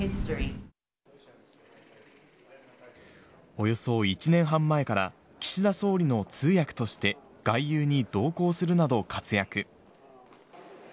およそ１年半前から岸田総理の通訳として外遊に同行するなど活躍。